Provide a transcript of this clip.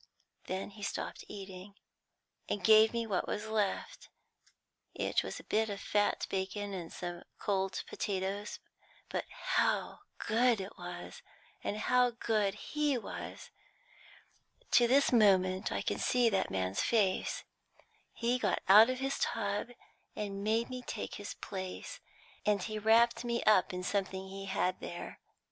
Then he stopped eating and gave me what was left; it was a bit of fat bacon and some cold potatoes; but how good it was, and how good he was! To this moment I can see that man's face. He got out of his tub and made me take his place, and he wrapped me up in something he had there.